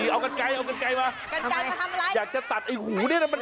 เอากันไกลเอากันไกลมากันไกลมาทำอะไรอยากจะตัดไอ้หูเนี่ยนะมัน